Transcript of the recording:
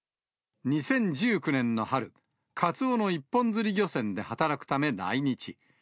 ２０１９年の春、カツオの一本釣り漁船で働くため来日。